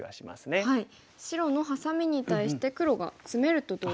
白のハサミに対して黒がツメるとどうですか？